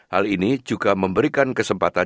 hal ini juga memberikan kesempatan